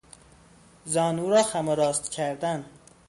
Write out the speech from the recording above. زانو را خم و راست کردن